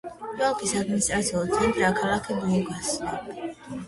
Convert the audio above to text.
ოლქის ადმინისტრაციული ცენტრია ქალაქი ბურგასი.